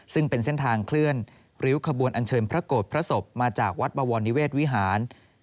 ซึ่งเป็นเส้นทางเคลื่อนริ้วขบวนอันเชิญพระโกรธพระศพมาจากวัดบวรนิเวศวิหาร